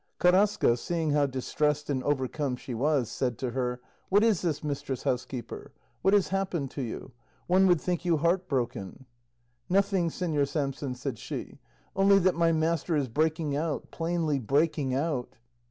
Carrasco, seeing how distressed and overcome she was, said to her, "What is this, mistress housekeeper? What has happened to you? One would think you heart broken." "Nothing, Señor Samson," said she, "only that my master is breaking out, plainly breaking out."